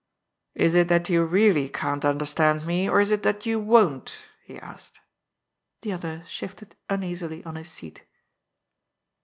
" Is it that you really can't understand me, or is it that you won't?" he asked. The other shifted uneasily on his seat.